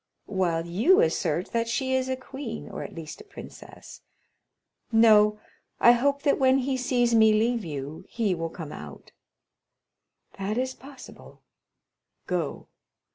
"While you assert that she is a queen, or at least a princess. No; I hope that when he sees me leave you, he will come out." "That is possible—go."